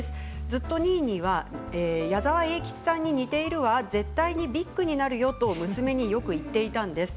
ずっとニーニーは矢沢永吉さんに似ているわ絶対にビッグになるよと娘によく言っていたんです。